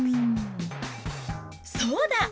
そうだ！